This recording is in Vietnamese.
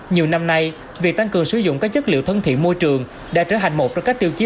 nhiều năm nay việc tăng cường sử dụng các chất liệu thân thiện môi trường đã trở thành một trong các tiêu chí